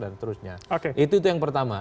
seterusnya itu yang pertama